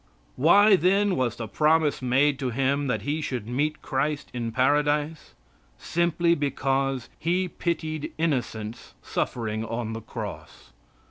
Why, then, was the promise made to him that he should meet Christ in Paradise. Simply because he pitied innocence suffering on the cross.